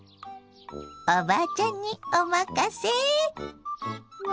おばあちゃんにおまかせ。